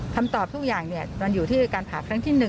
คำตอบทุกอย่างมันอยู่ที่การผ่าครั้งที่๑